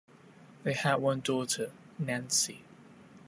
They had one daughter, Nancy.